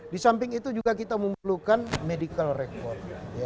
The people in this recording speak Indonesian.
di samping itu juga kita memerlukan medical record